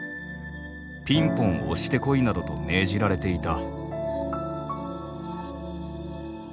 「ピンポン押してこい」などと命じられていた。